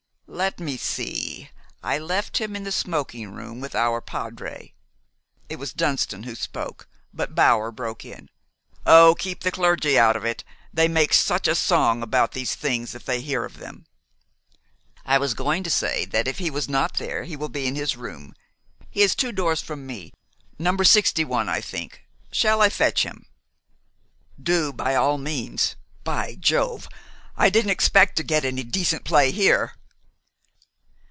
"Let me see. I left him in the smoking room with our padre " It was Dunston who spoke; but Bower broke in: "Oh, keep the clergy out of it! They make such a song about these things if they hear of them." "I was going to say that if he is not there he will be in his room. He is two doors from me, No. 61, I think. Shall I fetch him?" "Do, by all means. By Jove! I didn't expect to get any decent play here!"